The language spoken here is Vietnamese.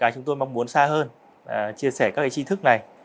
chúng tôi mong muốn xa hơn chia sẻ các cái chi thức này